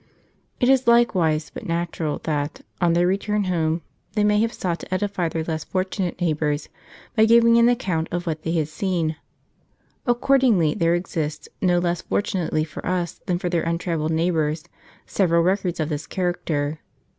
It is likewise but natural that, on their return home, they may have sought to edify their less fortunate neighbors, by giving an account of what they had seen. Accordingly there exists, no less fortunately for us than for their untravelled neighbors, several records of this character.